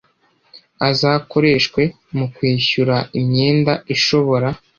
azakoreshwe mu kwishyura imyenda ishobora